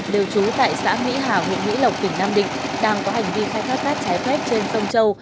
đều trú tại xã mỹ hào huyện mỹ lộc tỉnh nam định đang có hành vi khai thác cát trái phép trên sông châu